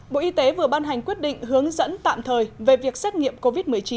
bộ y tế vừa ban hành quyết định hướng dẫn tạm thời về việc xét nghiệm covid một mươi chín